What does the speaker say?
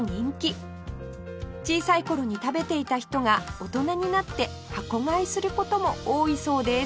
小さい頃に食べていた人が大人になって箱買いする事も多いそうです